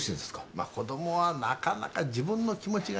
まっ子供はなかなか自分の気持ちが言えない。